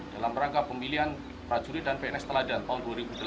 dalam rangka pemilihan prajurit dan pns teladan tahun dua ribu delapan belas